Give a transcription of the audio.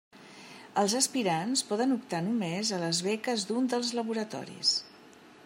Els aspirants poden optar només a les beques d'un dels laboratoris.